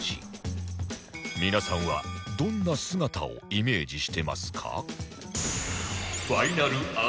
皆さんはどんな姿をイメージしてますか？